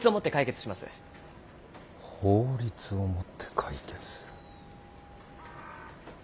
法律をもって解決する。